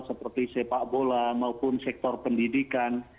seperti sepak bola maupun sektor pendidikan